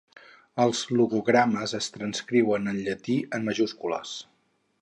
Els logogrames es transcriuen en llatí en majúscules.